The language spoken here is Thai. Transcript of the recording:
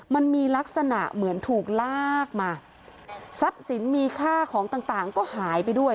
มันมีลักษณะเหมือนถูกลากมาทรัพย์สินมีค่าของต่างต่างก็หายไปด้วย